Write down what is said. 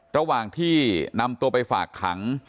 ระหว่างที่นำตัวไปฝากขัง